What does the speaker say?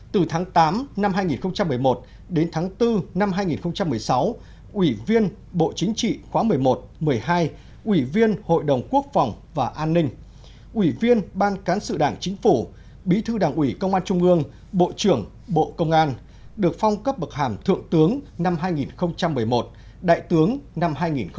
từ tháng tám năm hai nghìn một mươi một đến tháng bốn năm hai nghìn một mươi sáu ủy viên bộ chính trị khóa một mươi một một mươi hai ủy viên hội đồng quốc phòng và an ninh ủy viên ban cán sự đảng chính phủ bí thư đảng ủy công an trung mương bộ trưởng bộ công an được phong cấp bậc hàm thượng tướng năm hai nghìn một mươi một đại tướng năm hai nghìn một mươi hai